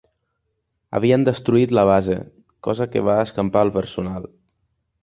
Havien destruït la base, cosa que va escampar el personal.